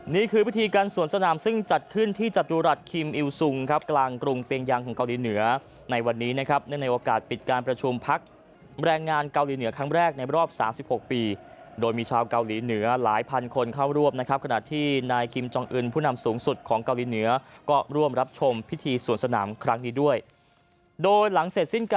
นี่คือพิธีการสวนสนามซึ่งจัดขึ้นที่จตุรัสคิมอิวซุงครับกลางกรุงเปียงยังของเกาหลีเหนือในวันนี้นะครับเนื่องในโอกาสปิดการประชุมพักแรงงานเกาหลีเหนือครั้งแรกในรอบ๓๖ปีโดยมีชาวเกาหลีเหนือหลายพันคนเข้ารวบนะครับขณะที่นายคิมจองอื่นผู้นำสูงสุดของเกาหลีเหนือก็ร่วมรับชมพิธีสวนสนามครั้งนี้ด้วยโดยหลังเสร็จสิ้นก